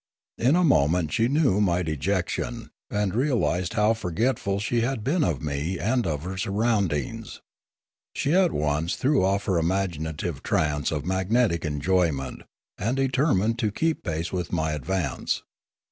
In a moment she knew my dejec tion, and realised how forgetful she had been of me and of her surroundings. She at once threw off her imagi native trance of magnetic enjoyment, and determined to keep pace with my advance.